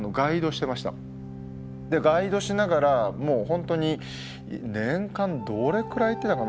ガイドしながらもう本当に年間どれくらい行ってたかな？